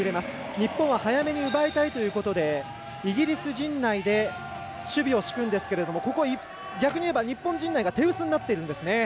日本は早めに奪いたいということでイギリス陣内で守備を敷くんですけど逆に言えば日本陣内が手薄になっているんです。